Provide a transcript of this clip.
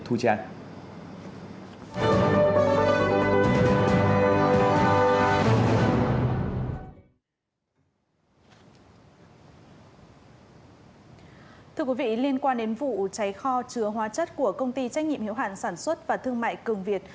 thưa quý vị liên quan đến vụ cháy kho chứa hóa chất của công ty trách nhiệm hiệu hạn sản xuất và thương mại cường việt